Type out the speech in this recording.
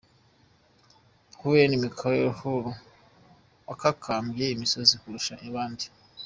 HaileMichael Mulu wakakambye imisozi kurusha abandi.